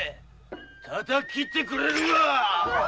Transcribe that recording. たたき斬ってくれるわ！